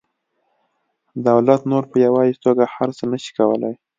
دولت نور په یوازې توګه هر څه نشي کولی